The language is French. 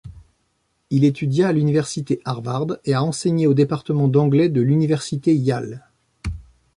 Il étudia à l'université Harvard, et a enseigné au département d'anglais de l'université Yale.